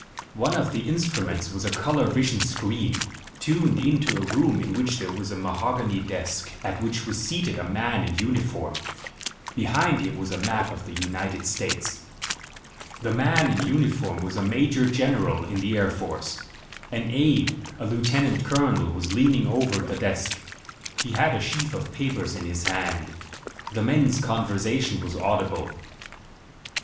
One of the instruments was a color vision screen, tuned in to a room in which there was a mahogany desk, at which was seated a man in uniform. Behind him was a map of the United States. The man in uniform was a major general in the Air Force. An aide, a lieutenant colonel, was leaning over the desk. He had a sheaf of papers in his hand. The men's conversation was audible.